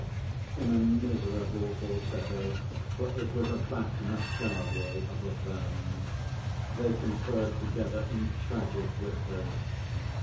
in a miserable falsetto, for it was a Bat Masquerier of a firm. They conferred together in tragic whispers.